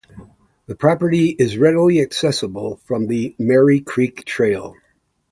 The property is readily accessible from the Merri Creek Trail.